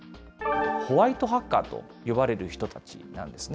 ホワイトハッカーと呼ばれる人たちなんですね。